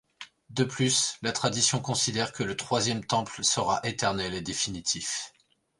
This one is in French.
De plus, la tradition considère que le troisième Temple sera éternel et définitif.